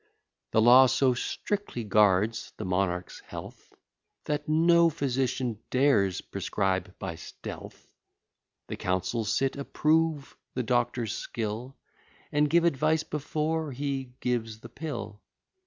The law so strictly guards the monarch's health, That no physician dares prescribe by stealth: The council sit; approve the doctor's skill; And give advice before he gives the pill.